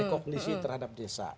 rekognisi terhadap desa